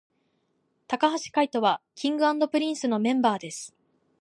髙橋海人は King & Prince のメンバーです